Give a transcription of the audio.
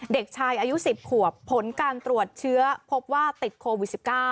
เด็กชายอายุ๑๐ขวบผลการตรวจเชื้อพบว่าติดโควิด๑๙